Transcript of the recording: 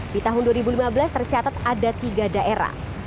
di tahun dua ribu lima belas tercatat ada tiga daerah